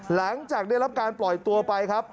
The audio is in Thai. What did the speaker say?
หลังจากได้รับการปล่อยตัวไปครับ